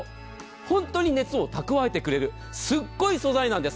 本当に熱を蓄えてくれるすごい素材なんです。